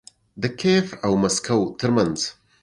د کیف او مسکو ترمنځ